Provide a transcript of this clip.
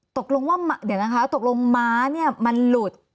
ตกลงว่าเดี๋ยวนะครับตกลงม้ามันหลุด